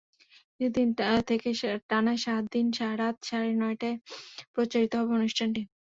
ঈদের দিন থেকে টানা সাত দিন রাত সাড়ে নয়টায় প্রচারিত হবে অনুষ্ঠানটি।